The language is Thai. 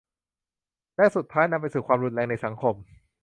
และสุดท้ายนำไปสู่ความรุนแรงในสังคม